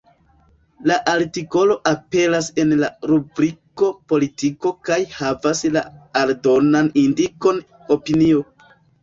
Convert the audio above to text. La artikolo aperas en la rubriko “Politiko” kaj havas la aldonan indikon “Opinio”.